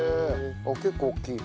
結構大きい。